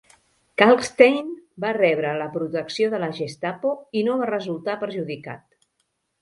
Kalkstein va rebre la protecció de la Gestapo i no va resultar perjudicat.